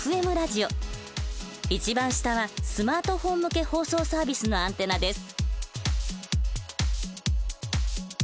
一番下はスマートフォン向け放送サービスのアンテナです。